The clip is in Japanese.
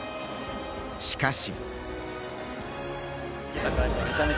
しかし。